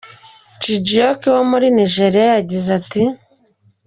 Chijioke wo muri Nigeria we yagize ati:.